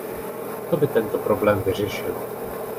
To by tento problém vyřešilo.